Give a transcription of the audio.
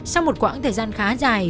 sau một quãng thời gian khá dài